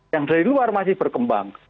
yang dari luar masih berkembang